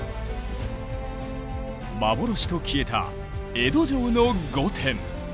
幻と消えた江戸城の御殿。